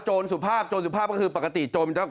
โจรสุภาพโจรสุภาพก็คือปกติโจมต์